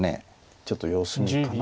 ちょっと様子見かな。